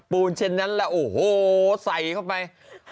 ปูนเช่นนั้นแหละโอ้โฮใส่เข้าไป